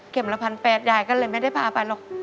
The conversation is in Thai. เข็มละพันแปดหลายก็เลยไม่ได้พาไปหรอก